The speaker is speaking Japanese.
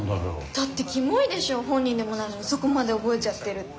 だってキモいでしょ本人でもないのにそこまで覚えちゃってるって。